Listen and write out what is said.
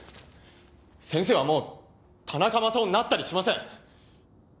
先生はもう田中マサオになったりしません。